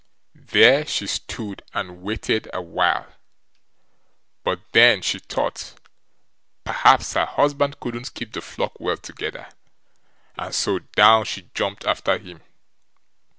There she stood and waited a while, but then she thought, perhaps her husband couldn't keep the flock well together, and so down she jumped after him.